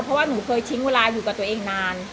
เพราะว่าหนูเคยทิ้งเวลาอยู่กับตัวเองนาน